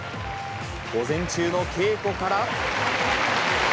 午前中の稽古から。